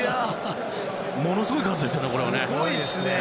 ものすごい数ですよね。